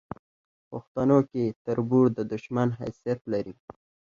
پښتنو کې تربور د دوشمن حیثت لري